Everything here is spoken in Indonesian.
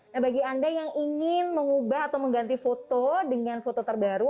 nah bagi anda yang ingin mengubah atau mengganti foto dengan foto terbaru